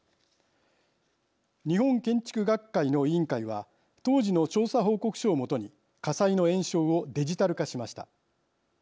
日本建築学会の委員会は当時の調査報告書を基に火災の延焼をデジタル化しました。